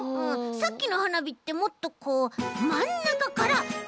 さっきのはなびってもっとこうまんなかからドカンって！